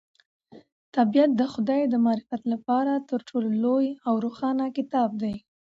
طبیعت د خدای د معرفت لپاره تر ټولو لوی او روښانه کتاب دی.